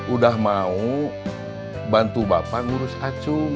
udah mau bantu bapak ngurus acu